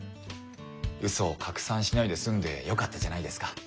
ウソを拡散しないで済んでよかったじゃないですか。